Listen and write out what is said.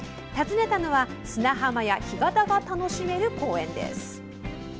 訪ねたのは砂浜や干潟が楽しめる公園です。